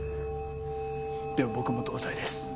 でも僕も同罪です。